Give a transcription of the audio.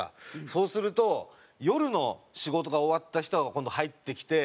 そうすると夜の仕事が終わった人が今度入ってきて。